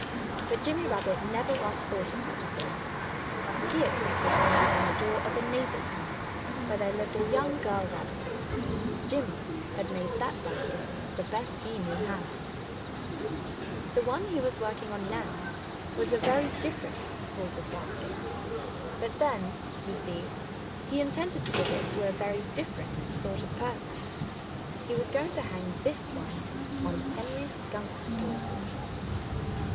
But Jimmy Rabbit never once thought of such a thing. He expected to hang it on the door of a neighbor's house, where there lived a young girl rabbit. Jimmy had made that basket the best he knew how. The one he was working on now was a very different sort of basket. But then you see, he intended to give it to a very different sort of person. He was going to hang this one on Henry Skunk's door.